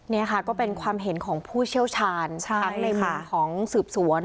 นี่ค่ะก็เป็นความเห็นของผู้เชี่ยวชาญทั้งในมุมของสืบสวน